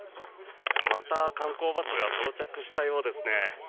また観光バスが到着したようですね。